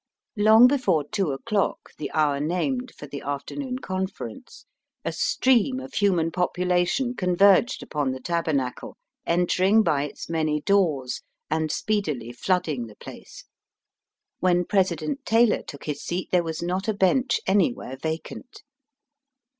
Long before two o'clock, the hour named for the afternoon conference, a stream of human population converged upon the Taber Digitized by VjOOQIC THE cm OF THE SAINTS. 99 nacle, entering by its many doors, and speedily flooding the place. When President Taylor took his seat there was not a bench anywhere vacant.